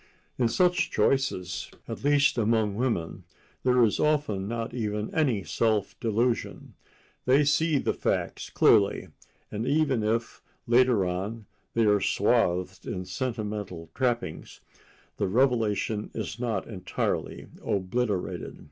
In such choices, at least among women, there is often not even any self delusion. They see the facts clearly, and even if, later on, they are swathed in sentimental trappings, the revelation is not entirely obliterated.